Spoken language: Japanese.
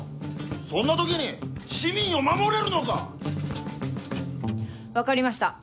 そんな時に市民を守れるのか⁉分かりました